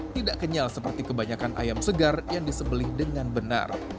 tidak kenyal seperti kebanyakan ayam segar yang disembeli dengan benar